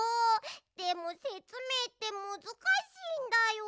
でもせつめいってむずかしいんだよ。